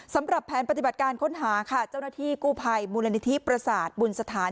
สำหรับแผนปฏิบัติการค้นหาค่ะเจ้าหน้าที่กู้ภัยมูลนิธิประสาทบุญสถาน